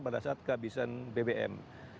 pada saat kehabisan bbm